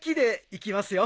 いきますよ。